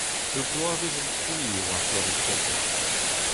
Ur bloavezh-amprouiñ eo ar bloavezh kentañ.